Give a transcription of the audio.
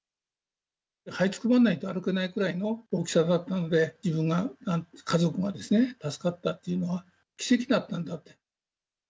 はいつくばらないと歩けないくらいの大きさだったので、自分や家族が助かったというのは、奇跡だったんだって。